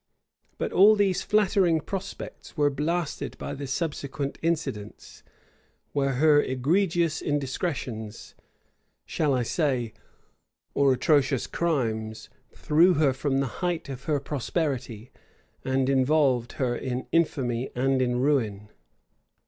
But all these flattering prospects were blasted by the subsequent incidents; where her egregious indiscretions, shall I say, or atrocious crimes, threw her from the height of her prosperity and involved her in infamy and in ruin.